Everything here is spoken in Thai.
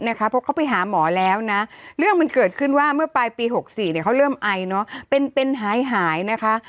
เพราะเขาไปหาหมอแล้วนะเรื่องมันเกิดขึ้นว่าเมื่อปลายปี๖๔เขาเริ่มไอเนอะเป็นหายนะคะ